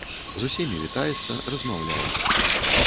З усімі вітаецца, размаўляе.